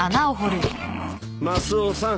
マスオさん。